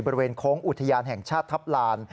โค้งอุทยานแห่งชาติทัพลาน